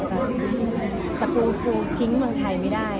แต่ปูทิ้งเมืองไทยไม่ได้